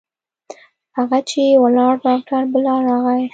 هغه چې ولاړ ډاکتر بلال راغى.